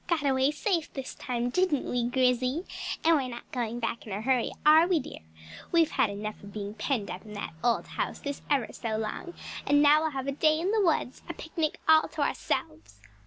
"Got away safe this time, didn't we, Grizzy? And we're not going back in a hurry, are we, dear? We've had enough of being penned up in that old house this ever so long; and now we'll have a day in the woods, a picnic all to ourselves.